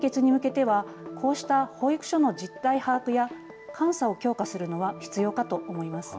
解決に向けてはこうした保育所の実態把握や監査を強化するのは必要かと思います。